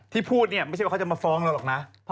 พูดเนี่ยไม่ใช่ว่าเขาจะมาฟ้องเราหรอกนะ